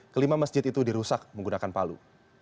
kelima masjid itu dirusak menggunakan palu